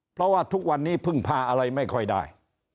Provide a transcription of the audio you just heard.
เพราะว่าทุกวันนี้พึ่งพาอะไรไม่ค่อยได้